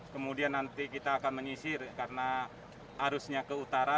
kemudian nanti kita akan menyisir karena arusnya ke utara